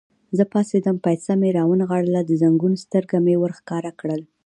زه پاڅېدم، پایڅه مې را ونغاړل، د زنګون سترګه مې ور ښکاره کړل.